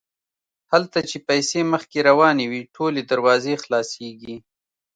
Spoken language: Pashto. هلته چې پیسې مخکې روانې وي ټولې دروازې خلاصیږي.